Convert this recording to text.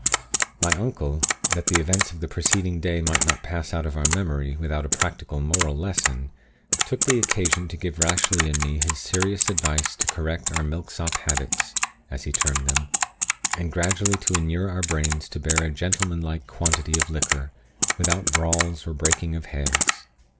My uncle, that the events of the preceding day might not pass out of our memory without a practical moral lesson, took occasion to give Rashleigh and me his serious advice to correct our milksop habits, as he termed them, and gradually to inure our brains to bear a gentlemanlike quantity of liquor, without brawls or breaking of heads.